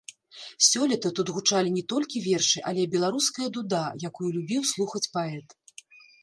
Сёлета тут гучалі не толькі вершы, але і беларуская дуда, якую любіў слухаць паэт.